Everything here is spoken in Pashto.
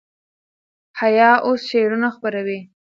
حیا اوس شعرونه خپروي.